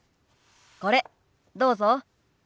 これどうぞ。